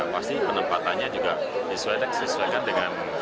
pasti penempatannya juga disesuaikan dengan